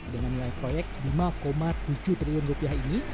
dengan nilai proyek lima tujuh triliun rupiah ini